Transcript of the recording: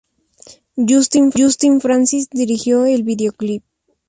Justin Francis dirigió el videoclip.